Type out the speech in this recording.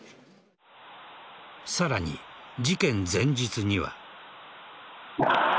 さらに、事件前日には。